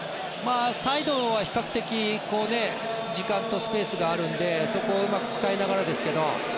サイドは比較的時間とスペースがあるのでそこをうまく使いながらですけど。